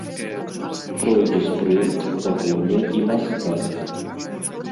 Пройдзе спрынт, пагоня і мас-старт.